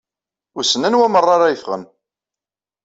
Wissen anwa meṛṛa ara yeffɣen?